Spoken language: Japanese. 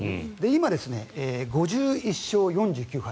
今、５１勝４９敗。